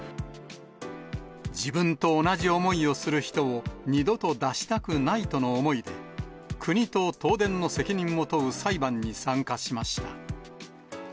自分と同じ思いをする人を、二度と出したくないとの思いで、国と東電の責任を問う裁判に参加しました。